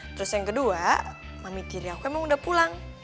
terus yang kedua mami tiri aku emang udah pulang